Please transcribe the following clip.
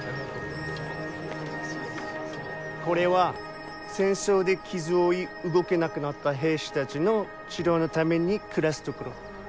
これは戦争で傷を負い動けなくなった兵士たちの治療のために暮らす所。